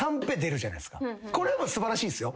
これ素晴らしいっすよ。